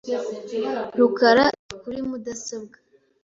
rukara ari kuri mudasobwa.